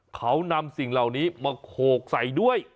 เขานำสิ่งเหล่านี้มาโขกใส่ด้วย